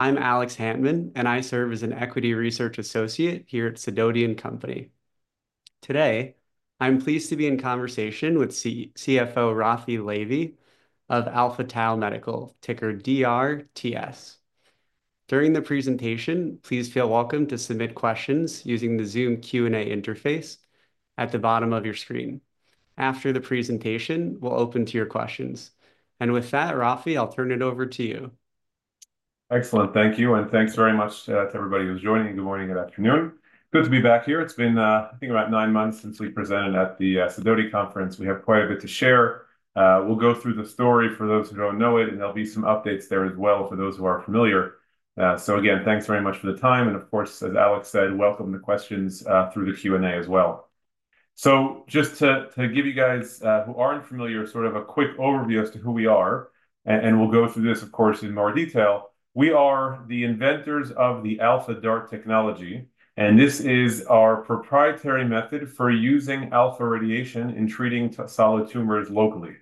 I'm Alex Hantman, and I serve as an Equity Research Associate here at Sidoti & Company. Today, I'm pleased to be in conversation with CFO Raphi Levy of Alpha Tau Medical, ticker DRTS. During the presentation, please feel welcome to submit questions using the Zoom Q&A interface at the bottom of your screen. After the presentation, we'll open to your questions. With that, Raphi, I'll turn it over to you. Excellent. Thank you, and thanks very much to everybody who's joining. Good morning and afternoon. Good to be back here. It's been, I think about nine months since we presented at the Sidoti conference. We have quite a bit to share. We'll go through the story for those who don't know it, and there'll be some updates there as well for those who are familiar. So again, thanks very much for the time, and of course, as Alex said, welcome the questions through the Q&A as well. So just to give you guys who aren't familiar, sort of a quick overview as to who we are, and we'll go through this, of course, in more detail. We are the inventors of the Alpha DaRT technology, and this is our proprietary method for using alpha radiation in treating solid tumors locally.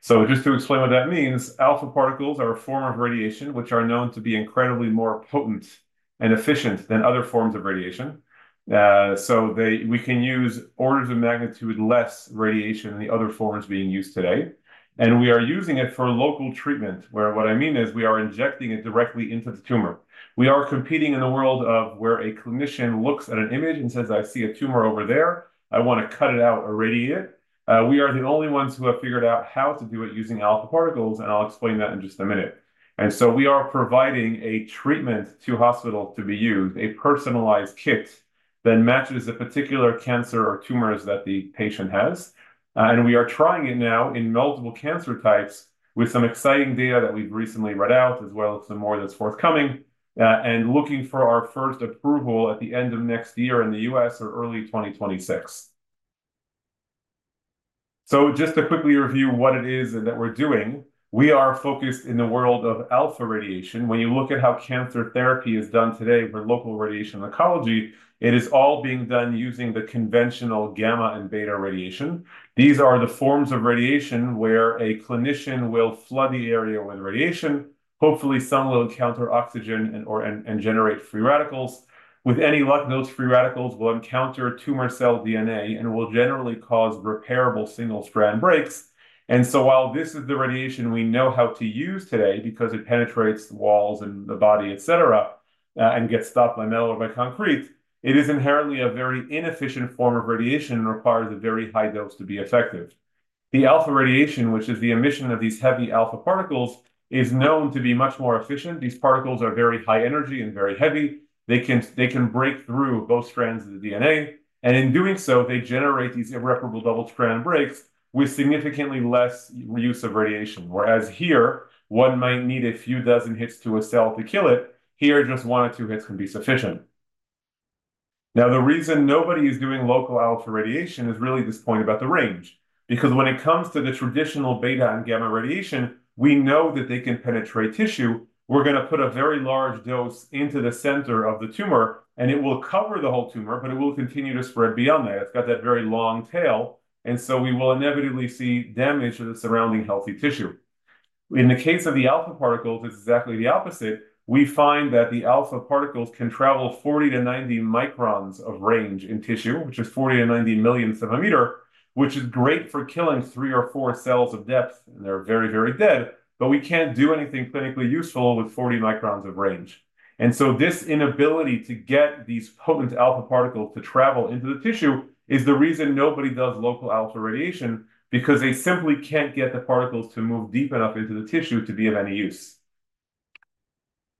So just to explain what that means, alpha particles are a form of radiation, which are known to be incredibly more potent and efficient than other forms of radiation. So we can use orders of magnitude less radiation than the other forms being used today, and we are using it for local treatment, where what I mean is we are injecting it directly into the tumor. We are competing in the world of where a clinician looks at an image and says, "I see a tumor over there. I want to cut it out or irradiate it." We are the only ones who have figured out how to do it using alpha particles, and I'll explain that in just a minute. And so we are providing a treatment to hospital to be used, a personalized kit that matches the particular cancer or tumors that the patient has. And we are trying it now in multiple cancer types with some exciting data that we've recently read out, as well as some more that's forthcoming, and looking for our first approval at the end of next year in the U.S. or early 2026. So just to quickly review what it is that we're doing, we are focused in the world of alpha radiation. When you look at how cancer therapy is done today for local radiation oncology, it is all being done using the conventional gamma and beta radiation. These are the forms of radiation where a clinician will flood the area with radiation. Hopefully, some will encounter oxygen and/or and generate free radicals. With any luck, those free radicals will encounter tumor cell DNA and will generally cause repairable single-strand breaks. And so while this is the radiation we know how to use today because it penetrates the walls and the body, et cetera, and gets stopped by metal or by concrete, it is inherently a very inefficient form of radiation and requires a very high dose to be effective. The alpha radiation, which is the emission of these heavy alpha particles, is known to be much more efficient. These particles are very high energy and very heavy. They can break through both strands of the DNA, and in doing so, they generate these irreparable double-strand breaks with significantly less use of radiation. Whereas here, one might need a few dozen hits to a cell to kill it, here, just one or two hits can be sufficient. Now, the reason nobody is doing local alpha radiation is really this point about the range, because when it comes to the traditional beta and gamma radiation, we know that they can penetrate tissue. We're going to put a very large dose into the center of the tumor, and it will cover the whole tumor, but it will continue to spread beyond that. It's got that very long tail, and so we will inevitably see damage to the surrounding healthy tissue. In the case of the alpha particles, it's exactly the opposite. We find that the alpha particles can travel 40-90 microns of range in tissue, which is 40-90 millionths of a meter, which is great for killing three or four cells of depth, and they're very, very dead, but we can't do anything clinically useful with 40 microns of range. And so this inability to get these potent alpha particles to travel into the tissue is the reason nobody does local alpha radiation, because they simply can't get the particles to move deep enough into the tissue to be of any use.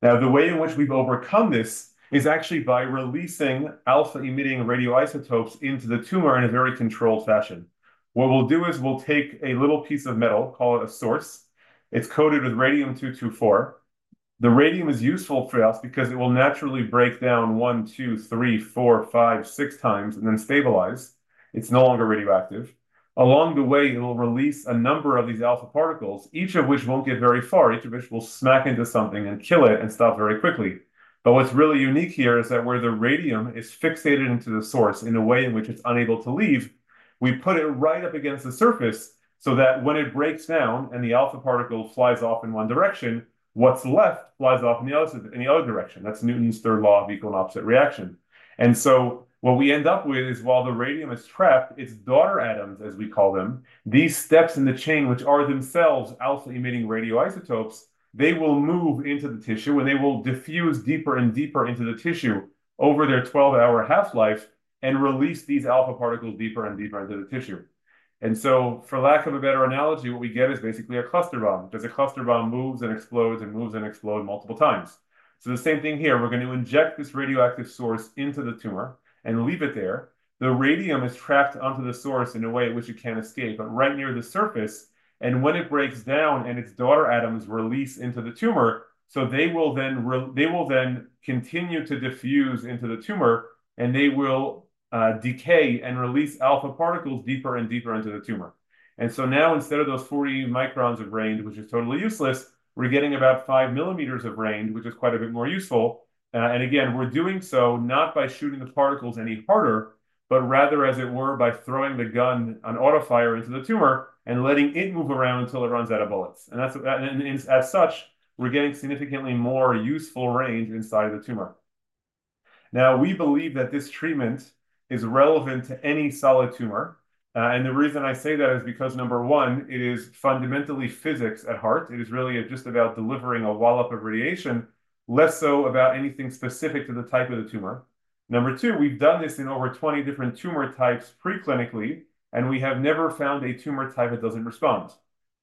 Now, the way in which we've overcome this is actually by releasing alpha emitting radioisotopes into the tumor in a very controlled fashion. What we'll do is we'll take a little piece of metal, call it a source. It's coated with Radium-224. The radium is useful for us because it will naturally break down one, two, three, four, five, six times and then stabilize. It's no longer radioactive. Along the way, it will release a number of these alpha particles, each of which won't get very far, each of which will smack into something and kill it and stop very quickly. But what's really unique here is that where the radium is fixated into the source in a way in which it's unable to leave, we put it right up against the surface so that when it breaks down and the alpha particle flies off in one direction, what's left flies off in the other direction. That's Newton's third law of equal and opposite reaction. And so what we end up with is, while the radium is trapped, its daughter atoms, as we call them, these steps in the chain, which are themselves alpha emitting radioisotopes, they will move into the tissue, and they will diffuse deeper and deeper into the tissue over their 12-hour half-life and release these alpha particles deeper and deeper into the tissue. And so, for lack of a better analogy, what we get is basically a cluster bomb, because a cluster bomb moves and explodes and moves and explode multiple times. So the same thing here, we're going to inject this radioactive source into the tumor and leave it there. The radium is trapped onto the source in a way in which it can't escape, but right near the surface, and when it breaks down and its daughter atoms release into the tumor, so they will then continue to diffuse into the tumor, and they will decay and release alpha particles deeper and deeper into the tumor. And so now, instead of those forty microns of range, which is totally useless, we're getting about five millimeters of range, which is quite a bit more useful. And again, we're doing so not by shooting the particles any harder but rather, as it were, by throwing the gun on auto fire into the tumor and letting it move around until it runs out of bullets. And that's as such we're getting significantly more useful range inside the tumor. Now, we believe that this treatment is relevant to any solid tumor. And the reason I say that is because, number one, it is fundamentally physics at heart. It is really just about delivering a wallop of radiation, less so about anything specific to the type of the tumor. Number two, we've done this in over twenty different tumor types pre-clinically, and we have never found a tumor type that doesn't respond.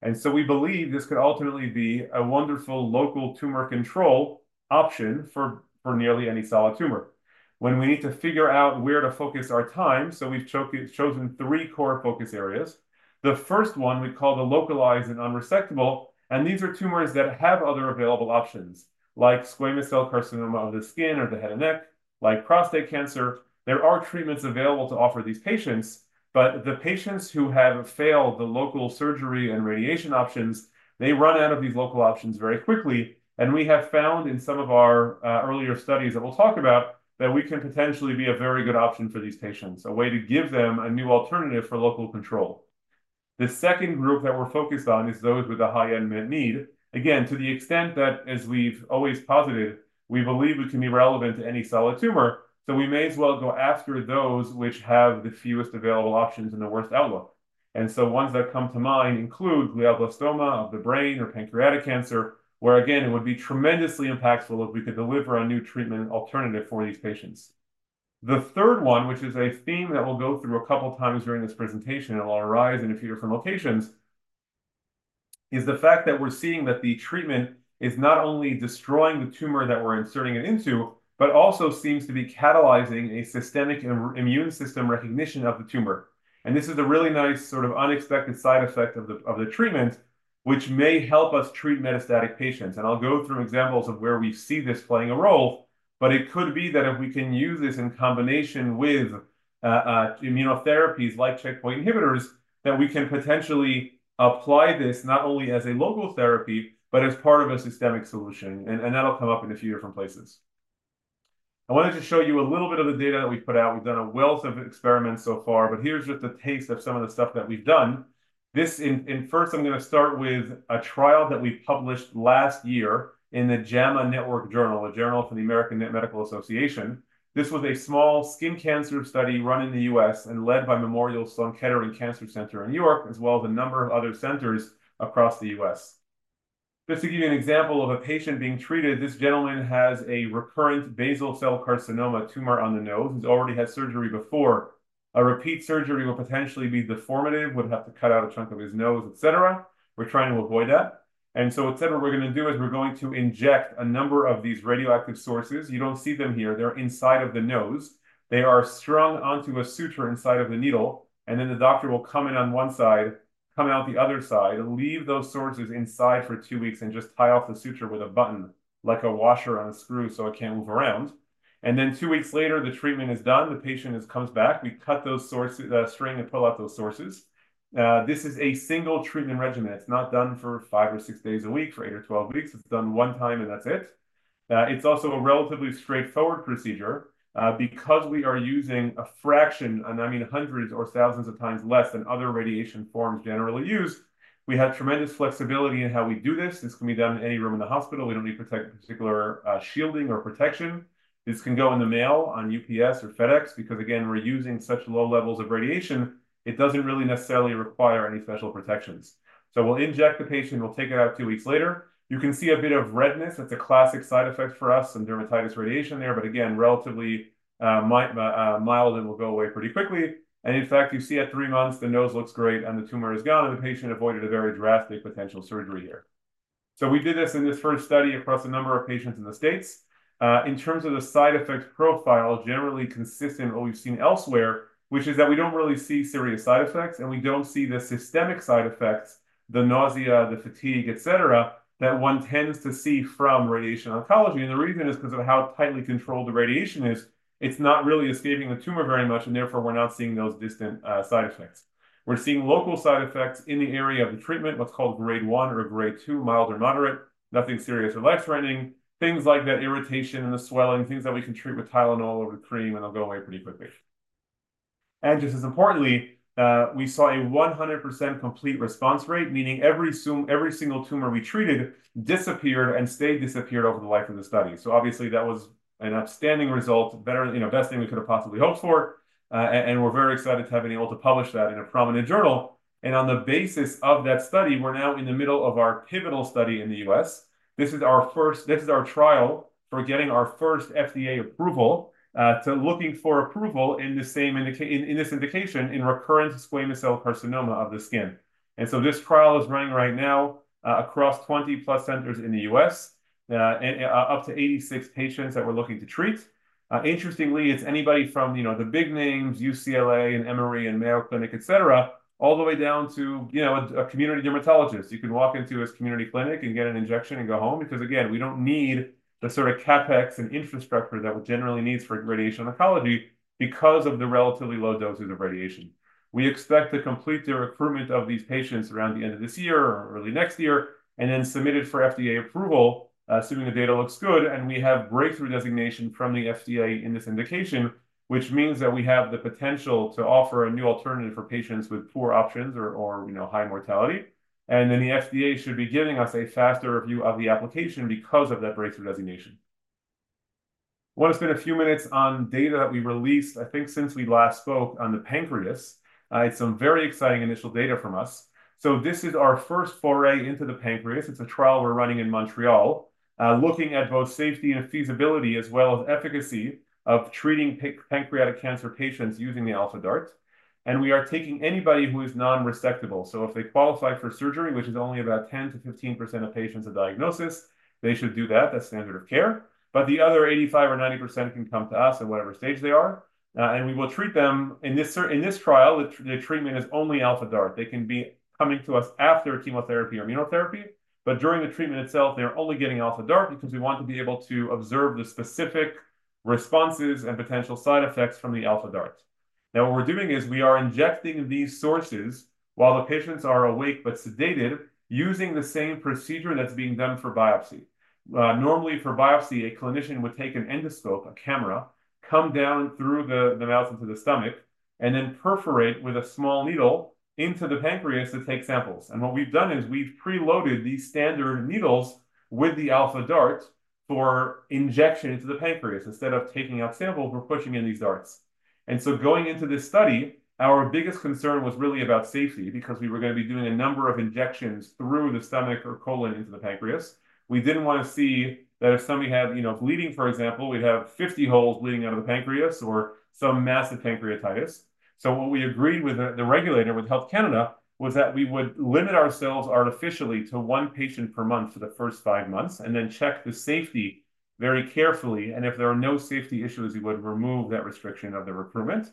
And so we believe this could ultimately be a wonderful local tumor control option for nearly any solid tumor. When we need to figure out where to focus our time, so we've chosen three core focus areas. The first one we call the localized and unresectable, and these are tumors that have other available options, like squamous cell carcinoma of the skin or the head and neck, like prostate cancer. There are treatments available to offer these patients, but the patients who have failed the local surgery and radiation options, they run out of these local options very quickly, and we have found in some of our earlier studies that we'll talk about, that we can potentially be a very good option for these patients, a way to give them a new alternative for local control. The second group that we're focused on is those with a high unmet need. Again, to the extent that, as we've always posited, we believe it can be relevant to any solid tumor, so we may as well go after those which have the fewest available options and the worst outlook. And so ones that come to mind include glioblastoma of the brain or pancreatic cancer, where again, it would be tremendously impactful if we could deliver a new treatment alternative for these patients. The third one, which is a theme that we'll go through a couple of times during this presentation, it'll arise in a few different locations, is the fact that we're seeing that the treatment is not only destroying the tumor that we're inserting it into, but also seems to be catalyzing a systemic immune system recognition of the tumor. This is a really nice, sort of unexpected side effect of the treatment, which may help us treat metastatic patients. I'll go through examples of where we see this playing a role, but it could be that if we can use this in combination with immunotherapies like checkpoint inhibitors, that we can potentially apply this not only as a local therapy, but as part of a systemic solution, and that'll come up in a few different places. I wanted to show you a little bit of the data that we've put out. We've done a wealth of experiments so far, but here's just a taste of some of the stuff that we've done. First, I'm gonna start with a trial that we published last year in the JAMA Dermatology, the Journal of the American Medical Association. This was a small skin cancer study run in the U.S. and led by Memorial Sloan Kettering Cancer Center in New York, as well as a number of other centers across the U.S. Just to give you an example of a patient being treated, this gentleman has a recurrent basal cell carcinoma tumor on the nose. He's already had surgery before. A repeat surgery will potentially be deformative, would have to cut out a chunk of his nose, et cetera. We're trying to avoid that. And so instead, what we're gonna do is we're going to inject a number of these radioactive sources. You don't see them here. They're inside of the nose. They are strung onto a suture inside of the needle, and then the doctor will come in on one side, come out the other side, and leave those sources inside for two weeks and just tie off the suture with a button, like a washer on a screw, so it can't move around. And then two weeks later, the treatment is done, the patient comes back, we cut those sources, string, and pull out those sources. This is a single treatment regimen. It's not done for five or six days a week for eight or twelve weeks. It's done one time, and that's it. It's also a relatively straightforward procedure. Because we are using a fraction, and I mean hundreds or thousands of times less than other radiation forms generally used, we have tremendous flexibility in how we do this. This can be done in any room in the hospital. We don't need particular shielding or protection. This can go in the mail on UPS or FedEx, because again, we're using such low levels of radiation, it doesn't really necessarily require any special protections, so we'll inject the patient. We'll take it out two weeks later. You can see a bit of redness. That's a classic side effect for us, some radiation dermatitis there, but again, relatively mild and will go away pretty quickly, and in fact, you see at three months, the nose looks great and the tumor is gone, and the patient avoided a very drastic potential surgery there, so we did this in this first study across a number of patients in the States. In terms of the side effect profile, generally consistent with what we've seen elsewhere, which is that we don't really see serious side effects, and we don't see the systemic side effects, the nausea, the fatigue, et cetera, that one tends to see from radiation oncology, and the reason is because of how tightly controlled the radiation is. It's not really escaping the tumor very much, and therefore, we're not seeing those distant, side effects. We're seeing local side effects in the area of the treatment, what's called grade one or grade two, mild or moderate, nothing serious or life-threatening, things like that irritation and the swelling, things that we can treat with Tylenol or with cream, and they'll go away pretty quickly. And just as importantly, we saw a 100% complete response rate, meaning every single tumor we treated disappeared and stayed disappeared over the life of the study. So obviously, that was an outstanding result, better... You know, best thing we could have possibly hoped for, and we're very excited to have been able to publish that in a prominent journal. And on the basis of that study, we're now in the middle of our pivotal study in the U.S. This is our trial for getting our first FDA approval, to looking for approval in the same indication, in recurrent squamous cell carcinoma of the skin. And so this trial is running right now, across 20+ centers in the U.S., and up to 86 patients that we're looking to treat. Interestingly, it's anybody from, you know, the big names, UCLA and Emory and Mayo Clinic, et cetera, all the way down to, you know, a community dermatologist. You can walk into a community clinic and get an injection and go home because, again, we don't need the sort of CapEx and infrastructure that we generally needs for radiation oncology because of the relatively low doses of radiation. We expect to complete the recruitment of these patients around the end of this year or early next year, and then submit it for FDA approval, assuming the data looks good, and we have breakthrough designation from the FDA in this indication, which means that we have the potential to offer a new alternative for patients with poor options or, you know, high mortality. And then the FDA should be giving us a faster review of the application because of that breakthrough designation. I want to spend a few minutes on data that we released, I think since we last spoke, on the pancreas. It's some very exciting initial data from us. So this is our first foray into the pancreas. It's a trial we're running in Montreal, looking at both safety and feasibility, as well as efficacy of treating pancreatic cancer patients using the Alpha DaRT, and we are taking anybody who is non-resectable. So if they qualify for surgery, which is only about 10%-15% of patients at diagnosis, they should do that. That's standard of care. But the other 85% or 90% can come to us at whatever stage they are, and we will treat them. In this trial, the treatment is only Alpha DaRT. They can be coming to us after chemotherapy or immunotherapy, but during the treatment itself, they're only getting Alpha DaRT because we want to be able to observe the specific responses and potential side effects from the Alpha DaRT. Now, what we're doing is we are injecting these sources while the patients are awake, but sedated, using the same procedure that's being done for biopsy. Normally, for biopsy, a clinician would take an endoscope, a camera, come down through the mouth into the stomach, and then perforate with a small needle into the pancreas to take samples. What we've done is, we've preloaded these standard needles with the Alpha DaRT for injection into the pancreas. Instead of taking out samples, we're pushing in these darts. Going into this study, our biggest concern was really about safety, because we were gonna be doing a number of injections through the stomach or colon into the pancreas. We didn't want to see that if somebody had, you know, bleeding, for example, we'd have 50 holes bleeding out of the pancreas or some massive pancreatitis. What we agreed with the regulator, with Health Canada, was that we would limit ourselves artificially to one patient per month for the first five months, and then check the safety very carefully, and if there are no safety issues, we would remove that restriction of the recruitment.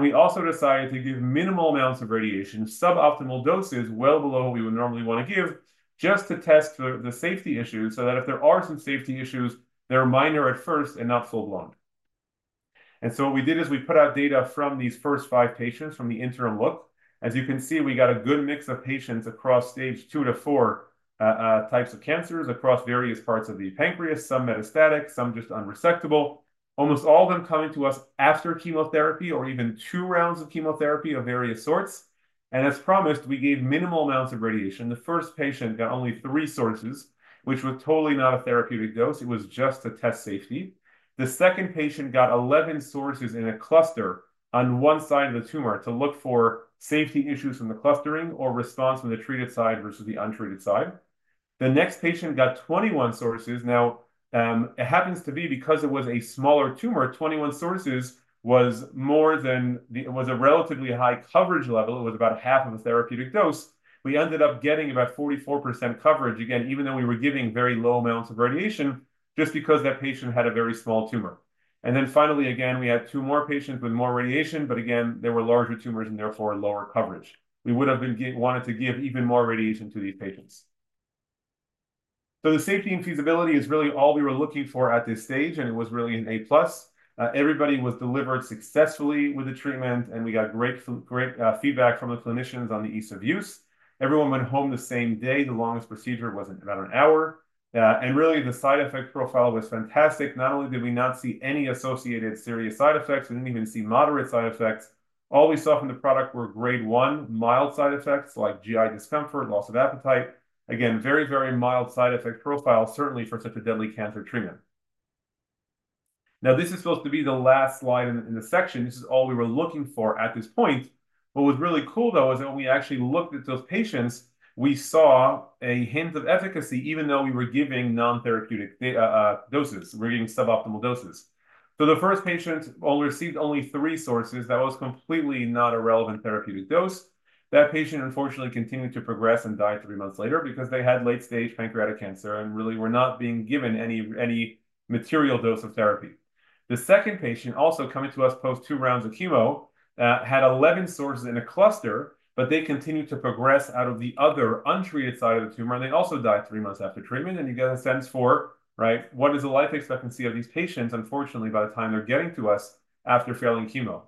We also decided to give minimal amounts of radiation, suboptimal doses, well below what we would normally want to give, just to test for the safety issues, so that if there are some safety issues, they're minor at first and not full-blown. What we did is, we put out data from these first five patients, from the interim look. As you can see, we got a good mix of patients across stage two to four, types of cancers, across various parts of the pancreas, some metastatic, some just unresectable, almost all of them coming to us after chemotherapy or even two rounds of chemotherapy of various sorts. As promised, we gave minimal amounts of radiation. The first patient got only three sources, which was totally not a therapeutic dose. It was just to test safety. The second patient got 11 sources in a cluster on one side of the tumor to look for safety issues from the clustering or response from the treated side versus the untreated side. The next patient got 21 sources. Now, it happens to be because it was a smaller tumor, 21 sources was a relatively high coverage level. It was about half of a therapeutic dose. We ended up getting about 44% coverage. Again, even though we were giving very low amounts of radiation, just because that patient had a very small tumor. And then finally, again, we had two more patients with more radiation, but again, they were larger tumors and therefore lower coverage. We would have wanted to give even more radiation to these patients. The safety and feasibility is really all we were looking for at this stage, and it was really an A+. Everybody was delivered successfully with the treatment, and we got great feedback from the clinicians on the ease of use. Everyone went home the same day. The longest procedure was about an hour. And really, the side effect profile was fantastic. Not only did we not see any associated serious side effects, we didn't even see moderate side effects. All we saw from the product were grade one mild side effects, like GI discomfort, loss of appetite. Again, very, very mild side effect profile, certainly for such a deadly cancer treatment. Now, this is supposed to be the last slide in the section. This is all we were looking for at this point. What was really cool, though, is when we actually looked at those patients, we saw a hint of efficacy, even though we were giving non-therapeutic doses. We're giving suboptimal doses. So the first patient only received three sources. That was completely not a relevant therapeutic dose. That patient, unfortunately, continued to progress and died three months later because they had late-stage pancreatic cancer and really were not being given any material dose of therapy. The second patient, also coming to us post two rounds of chemo, had 11 sources in a cluster, but they continued to progress out of the other untreated side of the tumor, and they also died three months after treatment. And you get a sense for, right, what is the life expectancy of these patients, unfortunately, by the time they're getting to us after failing chemo?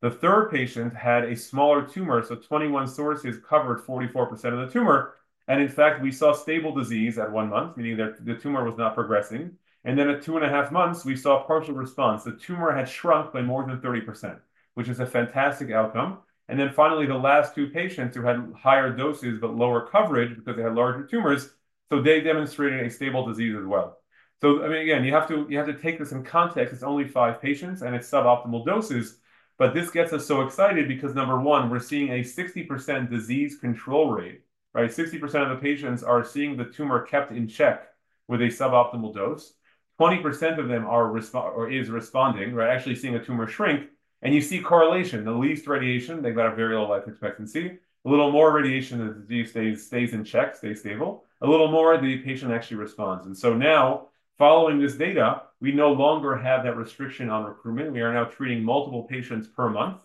The third patient had a smaller tumor, so 21 sources covered 44% of the tumor, and in fact, we saw stable disease at one month, meaning that the tumor was not progressing, and then at two and a half months, we saw a partial response. The tumor had shrunk by more than 30%, which is a fantastic outcome, and then finally, the last two patients who had higher doses, but lower coverage because they had larger tumors, so they demonstrated a stable disease as well, so I mean, again, you have to take this in context. It's only five patients, and it's suboptimal doses, but this gets us so excited because, number one, we're seeing a 60% disease control rate, right? 60% of the patients are seeing the tumor kept in check with a suboptimal dose. 20% of them are responding, we're actually seeing the tumor shrink. You see correlation. The least radiation, they've got a very low life expectancy. A little more radiation, the disease stays in check, stays stable. A little more, the patient actually responds. So now, following this data, we no longer have that restriction on recruitment. We are now treating multiple patients per month,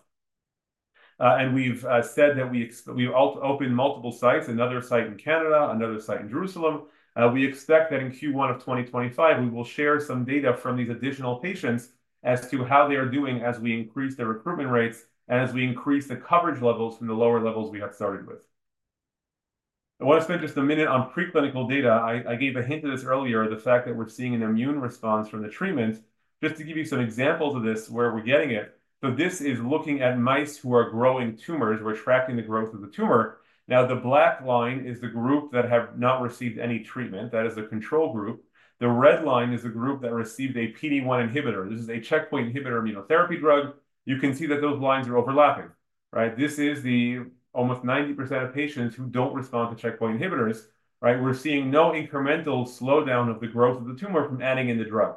and we've said that we opened multiple sites, another site in Canada, another site in Jerusalem. We expect that in Q1 of 2025, we will share some data from these additional patients as to how they are doing as we increase the recruitment rates and as we increase the coverage levels from the lower levels we had started with. I want to spend just a minute on preclinical data. I gave a hint of this earlier, the fact that we're seeing an immune response from the treatment. Just to give you some examples of this, where we're getting it. So this is looking at mice who are growing tumors. We're tracking the growth of the tumor. Now, the black line is the group that have not received any treatment. That is the control group. The red line is the group that received a PD-1 inhibitor. This is a checkpoint inhibitor immunotherapy drug. You can see that those lines are overlapping... right? This is the almost 90% of patients who don't respond to checkpoint inhibitors, right? We're seeing no incremental slowdown of the growth of the tumor from adding in the drug.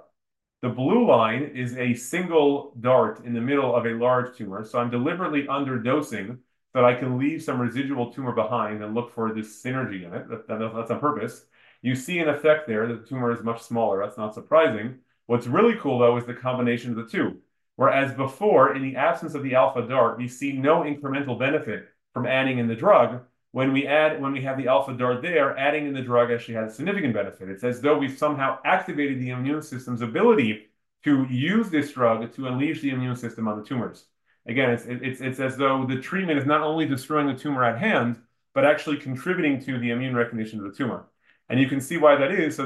The blue line is a single DaRT in the middle of a large tumor, so I'm deliberately underdosing so that I can leave some residual tumor behind and look for this synergy in it. That's on purpose. You see an effect there. The tumor is much smaller. That's not surprising. What's really cool, though, is the combination of the two, whereas before, in the absence of the alpha dart, we see no incremental benefit from adding in the drug. When we have the alpha dart there, adding in the drug actually has significant benefit. It's as though we've somehow activated the immune system's ability to use this drug to unleash the immune system on the tumors. Again, it's as though the treatment is not only destroying the tumor at hand, but actually contributing to the immune recognition of the tumor. You can see why that is.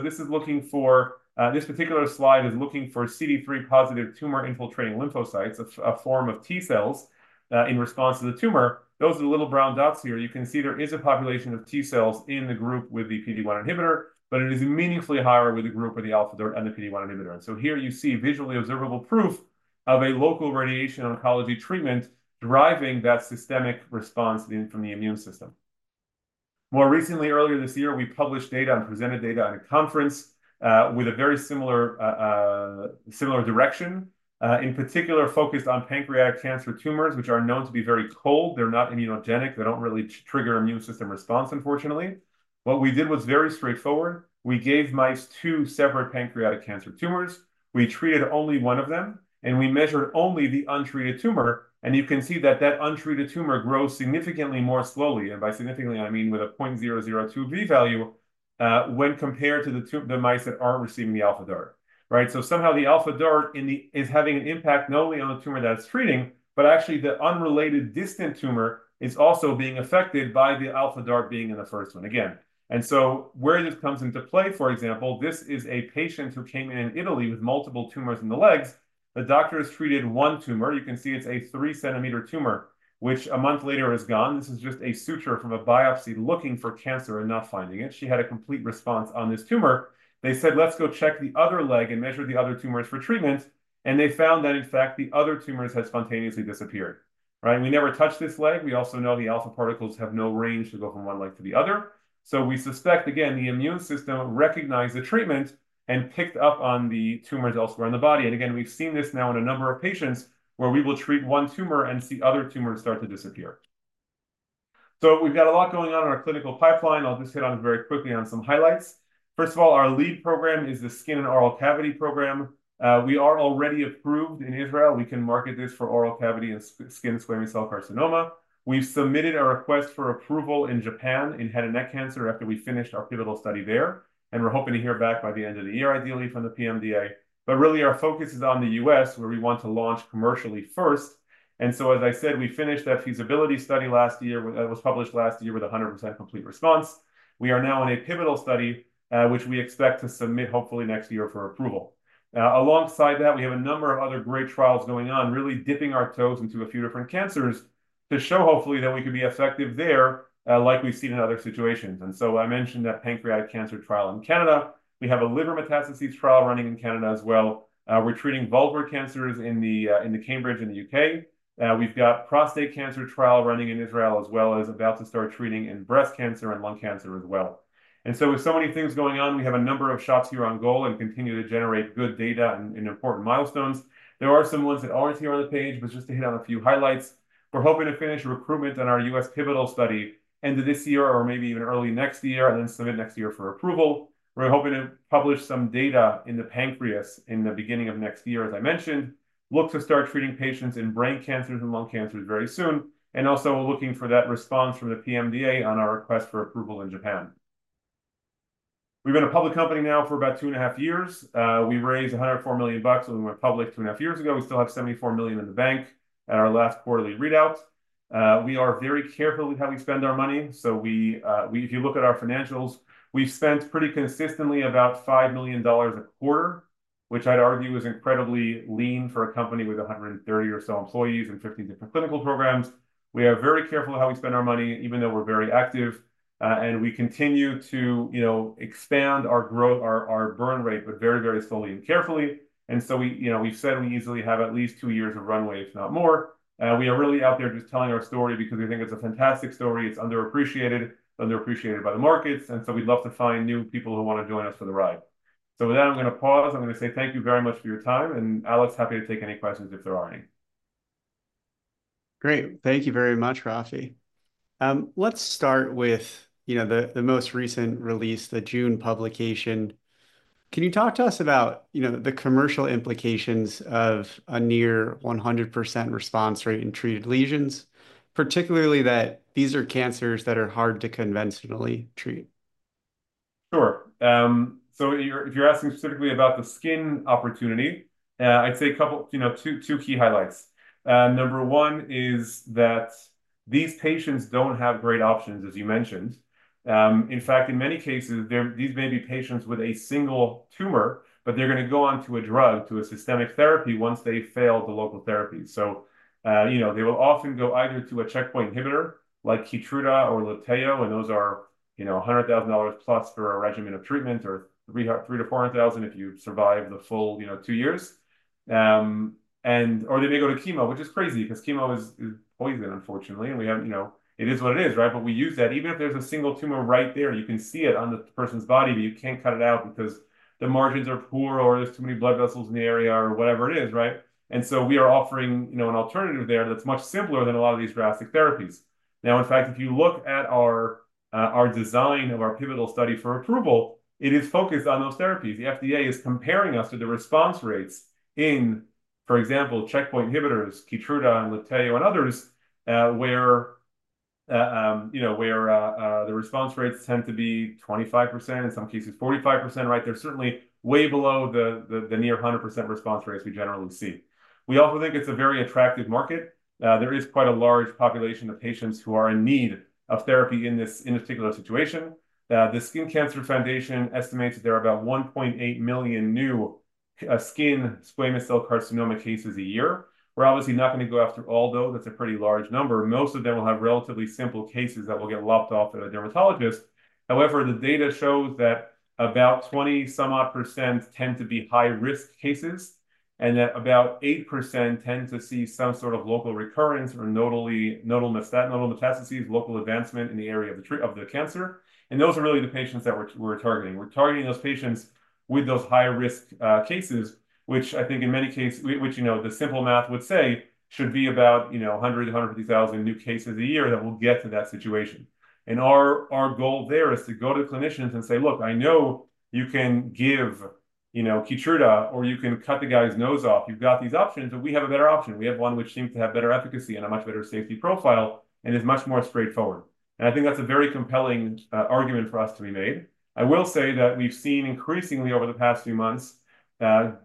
This particular slide is looking for CD3 positive tumor-infiltrating lymphocytes, a form of T cells, in response to the tumor. Those are the little brown dots here. You can see there is a population of T cells in the group with the PD-1 inhibitor, but it is meaningfully higher with the group with the Alpha DaRT and the PD-1 inhibitor. Here you see visually observable proof of a local radiation oncology treatment deriving that systemic response in from the immune system. More recently, earlier this year, we published data and presented data at a conference with a very similar direction, in particular focused on pancreatic cancer tumors, which are known to be very cold. They're not immunogenic. They're not really trigger immune system response, unfortunately. What we did was very straightforward. We gave mice two separate pancreatic cancer tumors. We treated only one of them, and we measured only the untreated tumor, and you can see that that untreated tumor grows significantly more slowly. By significantly, I mean with a 0.002 p value when compared to the mice that aren't receiving the Alpha DaRT, right? Somehow the Alpha DaRT in the is having an impact not only on the tumor that it's treating, but actually the unrelated distant tumor is also being affected by the Alpha DaRT being in the first one again. Where this comes into play, for example, this is a patient who came in in Italy with multiple tumors in the legs. The doctors treated one tumor. You can see it's a three-centimeter tumor, which a month later is gone. This is just a suture from a biopsy looking for cancer and not finding it. She had a complete response on this tumor. They said, "Let's go check the other leg and measure the other tumors for treatment," and they found that, in fact, the other tumors had spontaneously disappeared, right? We never touched this leg. We also know the alpha particles have no range to go from one leg to the other. So we suspect, again, the immune system recognized the treatment and picked up on the tumors elsewhere in the body. And again, we've seen this now in a number of patients where we will treat one tumor and see other tumors start to disappear. So we've got a lot going on in our clinical pipeline. I'll just hit on very quickly on some highlights. First of all, our lead program is the skin and oral cavity program. We are already approved in Israel. We can market this for oral cavity and skin squamous cell carcinoma. We've submitted a request for approval in Japan in head and neck cancer after we finished our pivotal study there, and we're hoping to hear back by the end of the year, ideally from the PMDA. But really, our focus is on the U.S., where we want to launch commercially first. And so as I said, we finished that feasibility study last year. It was published last year with a 100% complete response. We are now in a pivotal study, which we expect to submit hopefully next year for approval. Now, alongside that, we have a number of other great trials going on, really dipping our toes into a few different cancers to show hopefully that we can be effective there, like we've seen in other situations. And so I mentioned that pancreatic cancer trial in Canada. We have a liver metastases trial running in Canada as well. We're treating vulvar cancers in the Cambridge in the U.K. We've got prostate cancer trial running in Israel, as well as about to start treating in breast cancer and lung cancer as well. And so with so many things going on, we have a number of shots here on goal and continue to generate good data and important milestones. There are some ones that aren't here on the page, but just to hit on a few highlights, we're hoping to finish recruitment on our U.S. pivotal study end of this year or maybe even early next year, and then submit next year for approval. We're hoping to publish some data in the pancreas in the beginning of next year, as I mentioned. Look to start treating patients in brain cancers and lung cancers very soon, and also we're looking for that response from the PMDA on our request for approval in Japan. We've been a public company now for about two and a half years. We raised $104 million when we went public two and a half years ago. We still have $74 million in the bank at our last quarterly readout. We are very careful with how we spend our money, so we, if you look at our financials, we've spent pretty consistently about $5 million a quarter, which I'd argue is incredibly lean for a company with 130 or so employees and 15 different clinical programs. We are very careful how we spend our money, even though we're very active, and we continue to, you know, expand our growth, our burn rate, but very, very slowly and carefully. And so we, you know, we've said we easily have at least 2 years of runway, if not more. And we are really out there just telling our story because we think it's a fantastic story. It's underappreciated, underappreciated by the markets, and so we'd love to find new people who want to join us for the ride. So with that, I'm going to pause. I'm going to say thank you very much for your time, and Alex, happy to take any questions if there are any. Great. Thank you very much, Raphi. Let's start with, you know, the most recent release, the June publication. Can you talk to us about, you know, the commercial implications of a near 100% response rate in treated lesions, particularly that these are cancers that are hard to conventionally treat? Sure. So if you're asking specifically about the skin opportunity, I'd say a couple, you know, two key highlights. Number one is that these patients don't have great options, as you mentioned. In fact, in many cases, these may be patients with a single tumor, but they're gonna go onto a drug, to a systemic therapy, once they fail the local therapy. So, you know, they will often go either to a checkpoint inhibitor, like Keytruda or Libtayo, and those are, you know, $100,000+ for a regimen of treatment, or $300,000-$400,000 if you survive the full, you know, two years. And or they may go to chemo, which is crazy because chemo is poison unfortunately, and we have, you know, it is what it is, right? But we use that even if there's a single tumor right there, you can see it on the person's body, but you can't cut it out because the margins are poor or there's too many blood vessels in the area or whatever it is, right? And so we are offering, you know, an alternative there that's much simpler than a lot of these drastic therapies. Now, in fact, if you look at our design of our pivotal study for approval, it is focused on those therapies. The FDA is comparing us to the response rates in, for example, checkpoint inhibitors, Keytruda and Libtayo and others, where, you know, the response rates tend to be 25%, in some cases, 45%, right? They're certainly way below the near 100% response rates we generally see. We also think it's a very attractive market. There is quite a large population of patients who are in need of therapy in this particular situation. The Skin Cancer Foundation estimates that there are about 1.8 million new skin squamous cell carcinoma cases a year. We're obviously not gonna go after all, though. That's a pretty large number. Most of them will have relatively simple cases that will get lopped off to a dermatologist. However, the data shows that about 20% some-odd tend to be high-risk cases, and that about 8% tend to see some sort of local recurrence or nodal metastases, local advancement in the area of the cancer, and those are really the patients that we're targeting. We're targeting those patients with those high-risk cases, which I think in many cases, which, you know, the simple math would say should be about, you know, a hundred and fifty thousand new cases a year that will get to that situation. And our goal there is to go to clinicians and say: "Look, I know you can give, you know, Keytruda, or you can cut the guy's nose off. You've got these options, but we have a better option. We have one which seems to have better efficacy and a much better safety profile and is much more straightforward." And I think that's a very compelling argument for us to be made. I will say that we've seen increasingly over the past few months,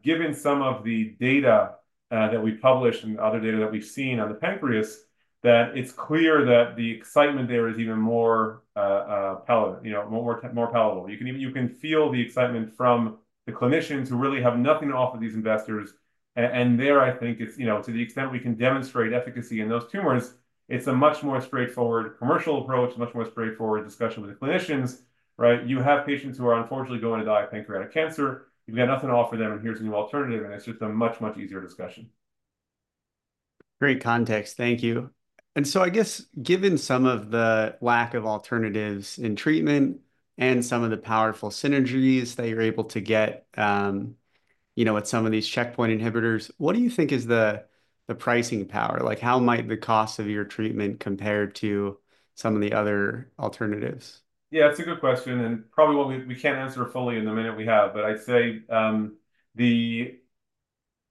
given some of the data that we published and other data that we've seen on the pancreas, that it's clear that the excitement there is even more, you know, more, more palpable. You can feel the excitement from the clinicians who really have nothing to offer these patients. And there, I think it's, you know, to the extent we can demonstrate efficacy in those tumors, it's a much more straightforward commercial approach, a much more straightforward discussion with the clinicians, right? You have patients who are unfortunately going to die of pancreatic cancer. You've got nothing to offer them, and here's a new alternative, and it's just a much, much easier discussion. Great context. Thank you. And so I guess given some of the lack of alternatives in treatment and some of the powerful synergies that you're able to get, you know, with some of these checkpoint inhibitors, what do you think is the pricing power? Like, how might the cost of your treatment compare to some of the other alternatives? Yeah, it's a good question, and probably one we can't answer fully in the minute we have. But I'd say,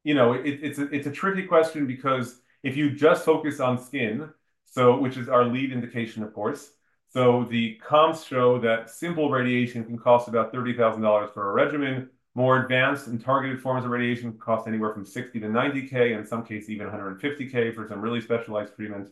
you know, it's a tricky question because if you just focus on skin, so which is our lead indication, of course, so the comps show that simple radiation can cost about $30,000 for a regimen. More advanced and targeted forms of radiation cost anywhere from $60,000-$90,000, and in some cases, even $150,000 for some really specialized treatments.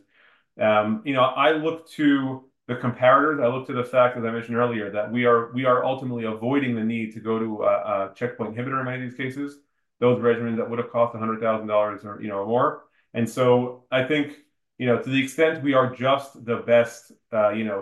You know, I look to the comparators. I look to the fact, as I mentioned earlier, that we are ultimately avoiding the need to go to a checkpoint inhibitor in many of these cases, those regimens that would have cost $100,000 or more. I think, you know, to the extent we are just the best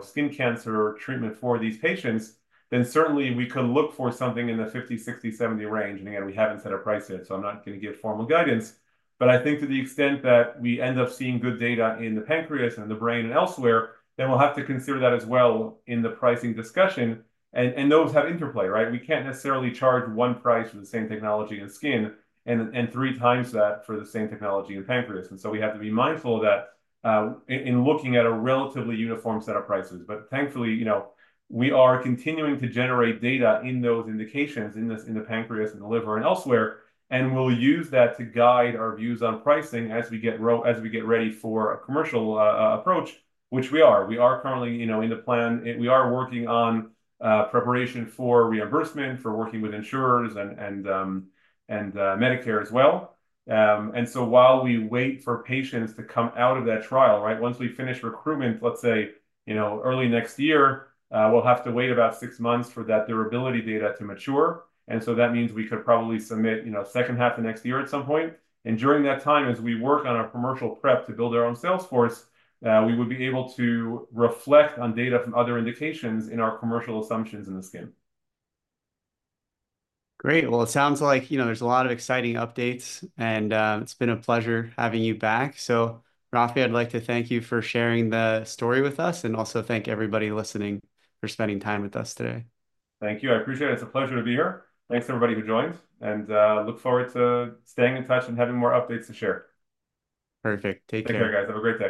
skin cancer treatment for these patients, then certainly we could look for something in the fifty, sixty, seventy range. And again, we haven't set a price yet, so I'm not going to give formal guidance. But I think to the extent that we end up seeing good data in the pancreas and the brain and elsewhere, then we'll have to consider that as well in the pricing discussion, and those have interplay, right? We can't necessarily charge one price for the same technology in the skin and three times that for the same technology in the pancreas. And so we have to be mindful of that in looking at a relatively uniform set of prices. But thankfully, you know, we are continuing to generate data in those indications, in the pancreas and the liver and elsewhere, and we'll use that to guide our views on pricing as we get ready for a commercial approach, which we are. We are currently, you know, in the plan. We are working on preparation for reimbursement, for working with insurers and Medicare as well. And so while we wait for patients to come out of that trial, right, once we finish recruitment, let's say, you know, early next year, we'll have to wait about six months for that durability data to mature. And so that means we could probably submit, you know, second half of next year at some point. During that time, as we work on our commercial prep to build our own sales force, we would be able to reflect on data from other indications in our commercial assumptions in the skin. Great! Well, it sounds like, you know, there's a lot of exciting updates, and it's been a pleasure having you back, so Raphi, I'd like to thank you for sharing the story with us, and also thank everybody listening for spending time with us today. Thank you. I appreciate it. It's a pleasure to be here. Thanks to everybody who joined, and look forward to staying in touch and having more updates to share. Perfect. Take care. Take care, guys. Have a great day.